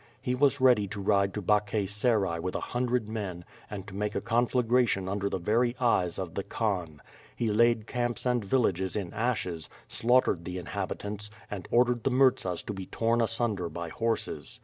He was ready to ride to Bakhch Serai with a hundred men, and to make a conflagration under the very eyes of the Khan. He laid camps and villages in ashes, slaughtered the inhabitants, and ordered the Murzas to be torn asunder by horses.